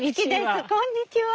こんにちは。